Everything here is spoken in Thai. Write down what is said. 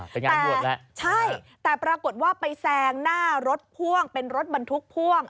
แต่ใช่แต่ปรากฏว่าไปแซงหน้ารถพ่วงเป็นรถบรรทุกพ่วง